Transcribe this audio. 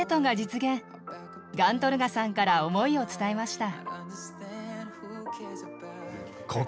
ガントルガさんから思いを伝えました。